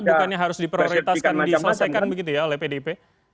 bukannya harus diprioritaskan diselesaikan begitu ya oleh pdip